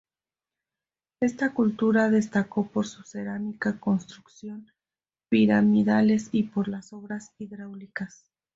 Esta cultura destacó por su cerámica, construcciones piramidales y por las obras hidráulicas.